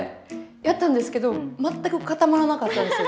やったんですけど全く固まらなかったんですよ。